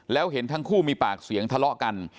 แล้วเห็นทั้งคู่มีปากเสียงทะเลาะกัน